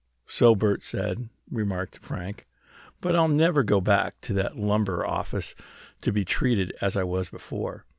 "So Bert said," remarked Frank, "but I'll never go back to that lumber office to be treated as I was before.